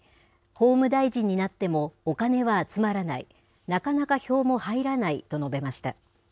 法務大臣になってもお金は集まらない、なかなか票も入らないと述べました。